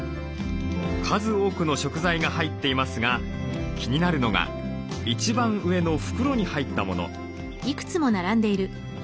数多くの食材が入っていますが気になるのが一番上の袋に入ったもの。